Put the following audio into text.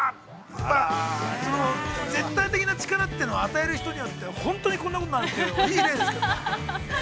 ◆絶対的な力というのは、与える人によっては本当にこんなことになるのいい例ですけどね。